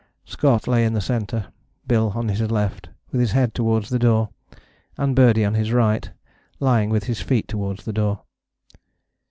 Scott lay in the centre, Bill on his left, with his head towards the door, and Birdie on his right, lying with his feet towards the door.